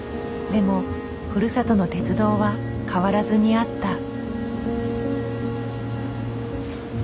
でもふるさとの鉄道は変わらずにあった。